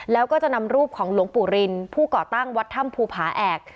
แล้วก็จะนำรูปของหลวงปู่รินผู้ก่อตั้งวัดถ้ำภูผาแอก